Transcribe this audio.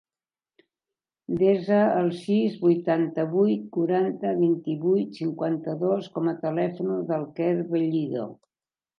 Desa el sis, vuitanta-vuit, quaranta, vint-i-vuit, cinquanta-dos com a telèfon del Quer Bellido.